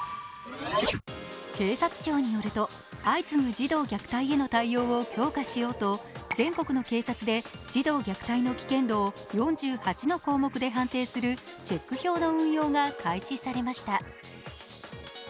警察庁によると、相次ぐ児童虐待への対応を強化しようと全国の警察で児童虐待の危険度を４８の項目で判定するチェック票の運用が開始されました。